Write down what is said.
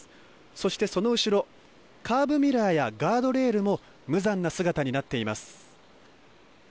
そしてその後ろ、カーブミラーやガードレールも無残な姿になっています。